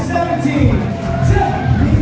สโลแมคริปราบาล